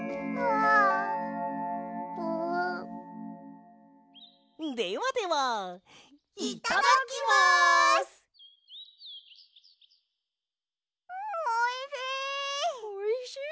んおいしい！